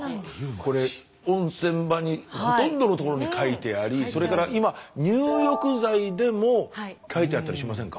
これ温泉場にほとんどのところに書いてありそれから今入浴剤でも書いてあったりしませんか？